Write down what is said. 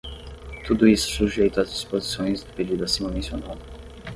Tudo isso sujeito às disposições do pedido acima mencionado.